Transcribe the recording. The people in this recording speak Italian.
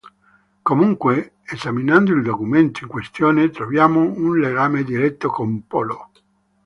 Comunque, esaminando il documento in questione troviamo un legame diretto con Polo.